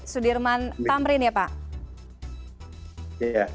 sudirman tamrin ya pak